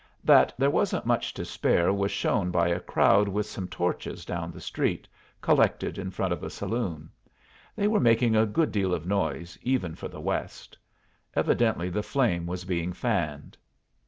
That there wasn't much to spare was shown by a crowd with some torches down the street, collected in front of a saloon. They were making a good deal of noise, even for the West; evidently the flame was being fanned.